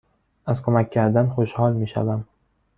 از کمک کردن خوشحال می شوم.